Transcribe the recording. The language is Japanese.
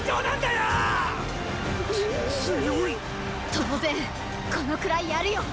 当然このくらいやるよ！